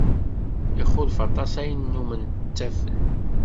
Ixulef aṭas ayen nnumen ttafen.